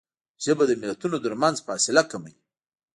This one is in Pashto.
ژبه د ملتونو ترمنځ فاصله کموي